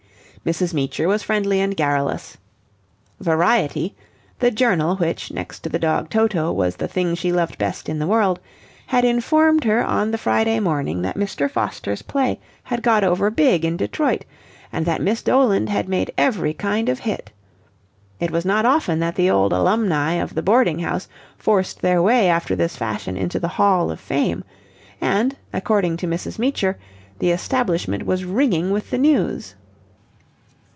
Mrs. Meecher was friendly and garrulous. Variety, the journal which, next to the dog Toto, was the thing she loved best in the world, had informed her on the Friday morning that Mr. Foster's play had got over big in Detroit, and that Miss Doland had made every kind of hit. It was not often that the old alumni of the boarding house forced their way after this fashion into the Hall of Fame, and, according to Mrs. Meecher, the establishment was ringing with the news.